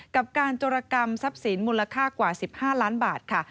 กับการจรกรรมทรัพย์สินมูลค่ากว่า๑๕ล้านบาทค่ะ